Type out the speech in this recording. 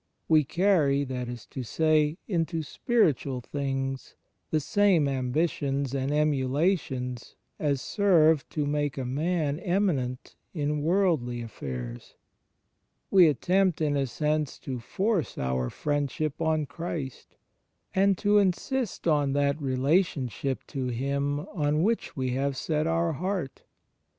We carry, that is to say, into spiritual things the same ambitions and emulations as serve to make a man eminent in worldly affairs. We attempt, in a sense, to force our friendship on Christ, and to insist on that relationship to Him on which we have set our heart.